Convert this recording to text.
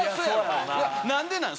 何でなん？